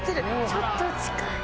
ちょっと近い。